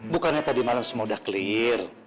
bukannya tadi malam semua sudah clear